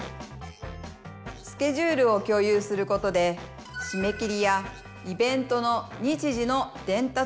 スケジュールを共有することでしめ切りやイベントの日時の伝達